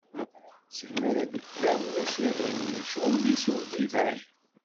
Segmi ara d-tekker, ulac iɣimi, ccɣel-is ur d-iban.